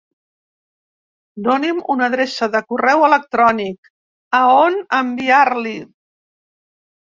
Doni'm una adreça de correu electrònic a on enviar-li.